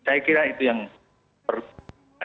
saya kira itu yang perlu